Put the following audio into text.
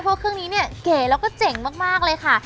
เพราะเครื่องนี้เนี่ยเก๋แล้วก็เจ๋งมากเลยค่ะ